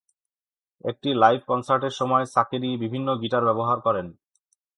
একটি লাইভ কনসার্টের সময় সাকেনি বিভিন্ন গিটার ব্যবহার করেন।